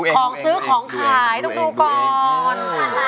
ของซื้อของขายต้องดูก่อน